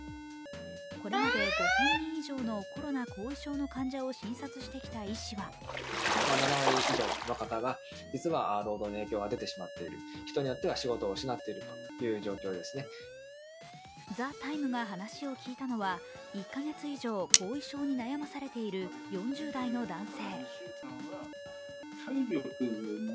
これまで５０００人以上のコロナ後遺症の患者を診察してきた医師は「ＴＨＥＴＩＭＥ，」が話を聞いたのは、１か月以上後遺症に悩まされている４０代の男性。